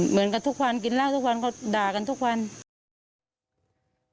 เหมือนกับทุกวันกินเหล้าทุกวันเขาด่ากันทุกวัน